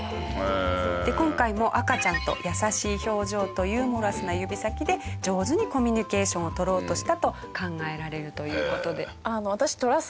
で今回も赤ちゃんと優しい表情とユーモラスな指先で上手にコミュニケーションをとろうとしたと考えられるという事で。